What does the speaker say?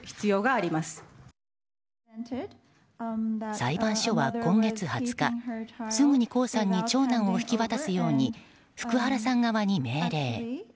裁判所は今月２０日すぐに江さんに長男を引き渡すように福原さん側に命令。